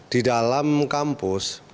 di dalam kampus